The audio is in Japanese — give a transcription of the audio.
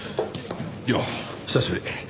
よっ久しぶり。